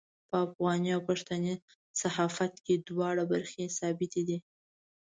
په افغاني او پښتني صحافت کې دواړه برخې ثابتې دي.